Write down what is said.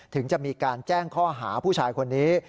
ถึงจะมีการแจ้งข้อหาผู้ชายคนนี้